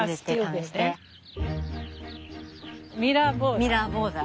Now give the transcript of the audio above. ミラーボーダー？